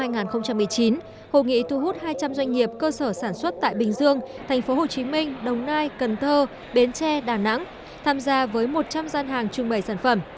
hội nghị thu hút hai trăm linh doanh nghiệp cơ sở sản xuất tại bình dương tp hcm đồng nai cần thơ bến tre đà nẵng tham gia với một trăm linh gian hàng trưng bày sản phẩm